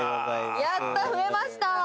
やった増えました。